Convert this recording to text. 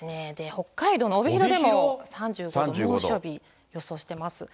北海道の帯広でも３５度の猛暑日を予想してます。